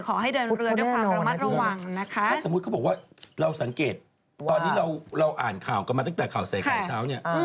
ขอให้เดินเรือด้วยความระมัดระวังนะคะถ้าสมมุติเขาบอกว่าเราสังเกตตอนนี้เราอ่านข่าวกันมาตั้งแต่ข่าวใส่ไข่เช้าเนี่ย